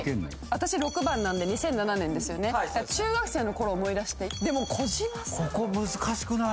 私６番なんで２００７年ですよね中学生の頃を思い出してでも児嶋さんここ難しくない？